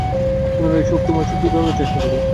পুনরায় তোমার শক্তি ব্যবহারের চেষ্টা করো।